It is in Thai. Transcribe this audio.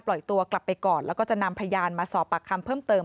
ตัวกลับไปก่อนแล้วก็จะนำพยานมาสอบปากคำเพิ่มเติม